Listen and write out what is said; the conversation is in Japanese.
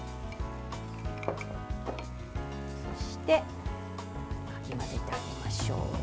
そして、かき混ぜてあげましょう。